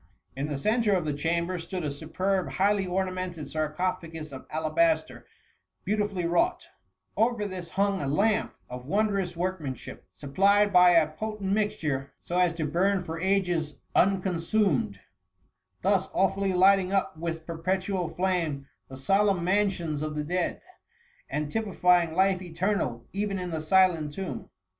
In the centre of the chamber, stood a superb, highly ornamented sarcophagus of alabaster, beautifully wrought: over this hung a lamp of wondrous workmanship, supplied by a po tent mixture, so as to bum for ages unconsum ed; thus awfully lighting up with perpetual flame the solemn mansions of the dead, and typifying life eternal even in the silent tomb.